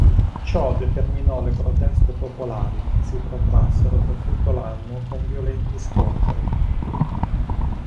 Ciò determinò le proteste popolari che si protrassero per tutto l'anno con violenti scontri.